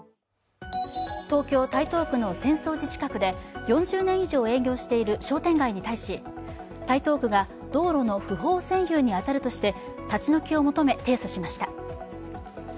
東京・台東区の浅草寺近くで４０年以上営業している商店街に対し台東区が道路の不法占有に当たるとして立ち退きを求め、提訴しました。